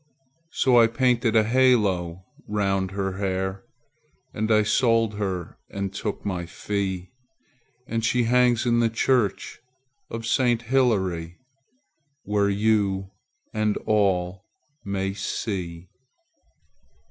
So I painted a halo round her hair, And I sold her and took my fee, And she hangs in the church of Saint Hillaire, Where you and all may see.